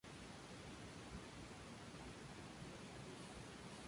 El presidente debe ser miembro de la Junta Permanente.